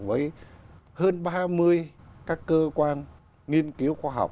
với hơn ba mươi các cơ quan nghiên cứu khoa học